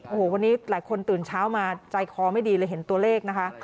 โอ้โหวันนี้หลายคนตื่นเช้ามาใจคอไม่ดีเลยเห็นตัวเลขนะคะ